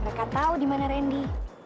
mereka tahu di mana randy